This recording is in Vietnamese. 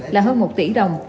là hơn một tỷ đồng